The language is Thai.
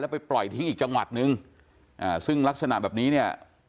ไปปล่อยทิ้งอีกจังหวัดนึงอ่าซึ่งลักษณะแบบนี้เนี่ย